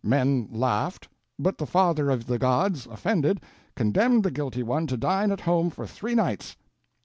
Men laughed, but the Father of the Gods, offended, condemned the guilty one to dine at home for three nights.